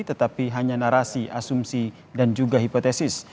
tetapi hanya narasi asumsi dan juga hipotesis